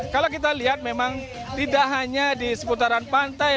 kalau kita lihat memang tidak hanya di seputaran pantai